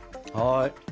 はい。